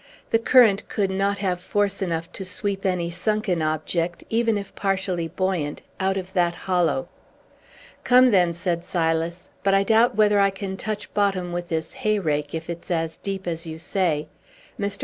The current could not have force enough to sweep any sunken object, even if partially buoyant, out of that hollow." "Come, then," said Silas; "but I doubt whether I can touch bottom with this hay rake, if it's as deep as you say. Mr.